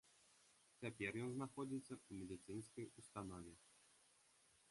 Цяпер ён знаходзіцца ў медыцынскай установе.